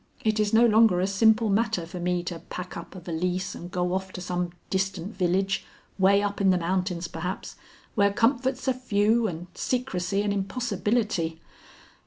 It is no longer a simple matter for me to pack up a valise and go off to some distant village, way up in the mountains perhaps, where comforts are few and secrecy an impossibility.